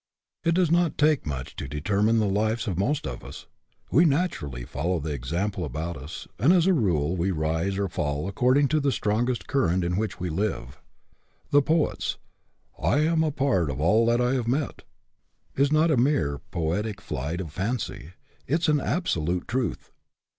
It does not take much to determine the lives of most of us. We naturally follow the exam ples about us, and, as a rule, we rise or fall according to the strongest current in which we live. The poet's " I am a part of all that I have met " is not a mere poetic flight of fancy; it is an absolute truth.